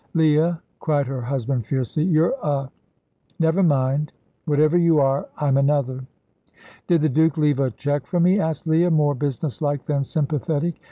"Leah," cried her husband, fiercely, "you're a never mind. Whatever you are, I'm another." "Did the Duke leave a cheque for me?" asked Leah, more business like than sympathetic.